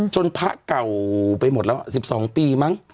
จนพระเก่าไปหมดแล้วสิบสองปีมั้ง